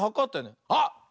あっ！